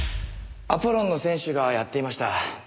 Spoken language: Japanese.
アポロンの選手がやっていました。